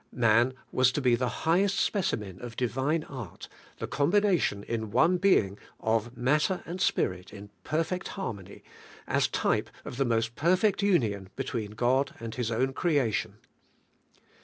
Man was to be the high est specimen of Divine art: the combination in one being, of matter and spirit in perfect harmony, as type of the most perfect union between God and His own creation.